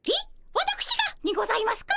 わたくしがにございますか？